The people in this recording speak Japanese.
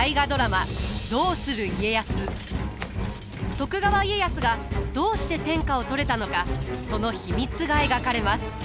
徳川家康がどうして天下を取れたのかその秘密が描かれます。